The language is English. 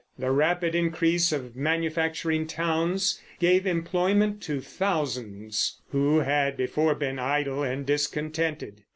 The rapid increase of manufacturing towns gave employment to thousands who had before been idle and discontented.